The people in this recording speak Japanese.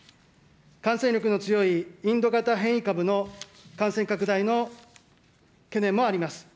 感染力の強いインド型変異株の感染拡大の懸念もあります。